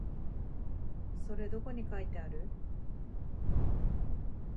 それどこに書いてある？